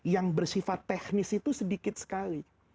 yang bersifat teknis itu sedikit sekali